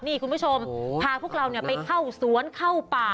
นี่คุณผู้ชมพาพวกเราไปเข้าสวนเข้าป่า